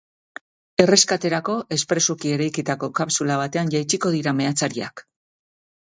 Erreskaterako espresuki eraikitako kapsula batean jaitsiko dira meatzariak.